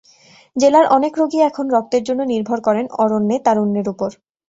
জেলার অনেক রোগী এখন রক্তের জন্য নির্ভর করেন অরণ্যে তারুণ্যের ওপর।